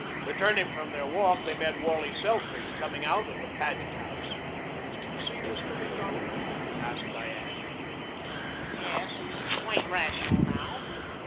Returning from their walk, they met Wally Selfridge coming out of the Paget house. "Did you see Mr. Macdonald?" asked Diane. "Yes. He's quite rational now."